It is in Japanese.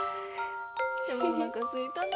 でもおなかすいたな。